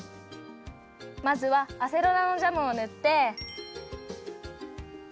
まずはアセロラのジャムをぬって。